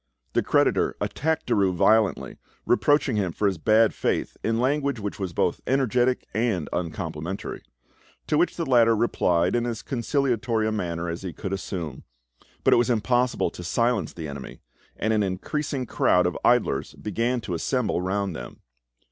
The creditor attacked Derues violently, reproaching him for his bad faith in language which was both energetic and uncomplimentary; to which the latter replied in as conciliatory a manner as he could assume. But it was impossible to silence the enemy, and an increasing crowd of idlers began to assemble round them.